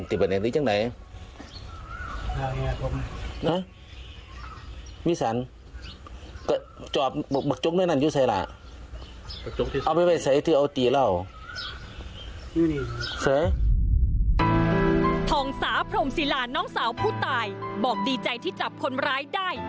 ทองสาพรมศิลาน้องสาวผู้ตายบอกดีใจที่จับคนร้ายได้